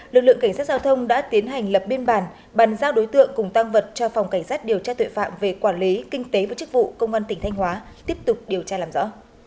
lực lượng cảnh sát giao thông đã tiến hành lập biên bản bàn giao đối tượng cùng tăng vật cho phòng cảnh sát điều tra tội phạm về quản lý kinh tế và chức vụ công an tỉnh thanh hóa tiếp tục điều tra làm rõ